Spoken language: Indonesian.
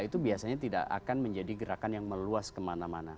itu biasanya tidak akan menjadi gerakan yang meluas kemana mana